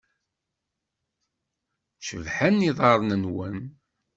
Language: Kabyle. Cebḥen yiḍarren-nwen.